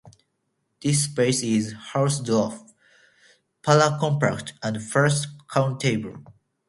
This space is Hausdorff, paracompact and first countable.